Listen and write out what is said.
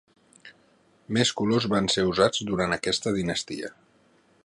Més colors van ser usats durant aquesta dinastia.